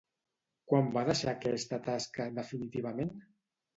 Quan va deixar aquesta tasca definitivament?